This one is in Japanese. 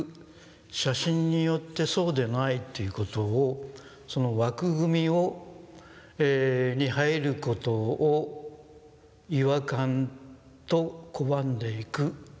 写真によってそうでないということをその枠組みに入ることを違和感と拒んでいく。